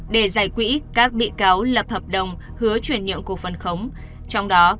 để giải quỹ các bị cáo lập hợp đồng hứa chuyển nhượng cổ phân khống